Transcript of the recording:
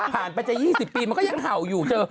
ผ่านไปจาก๒๐ปีมันก็ยังเห่าอยู่เจอ